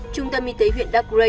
trung tâm y tế huyện dark gray